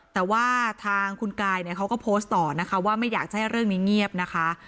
แต่ว่าทางคุณกายเนี่ยเขาก็โพสต์ต่อนะคะว่าไม่อยากจะให้เรื่องนี้เงียบนะคะ